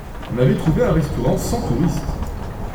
On avait trouvé un restaurant sans touristes.